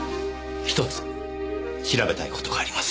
ひとつ調べたいことがあります。